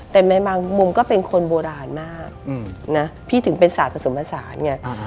แต่ในบางมุมก็เป็นคนโบราณมากนะพี่ถึงเป็นศาสตร์ผสมผสานไง